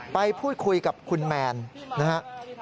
ไปพูดคุยกับคุณแมนนะครับ